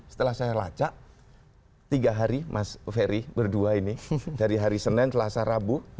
setelah saya lacak tiga hari mas ferry berdua ini dari hari senin selasa rabu